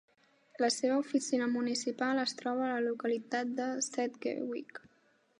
La seva oficina municipal es troba a la localitat de Sedgewick.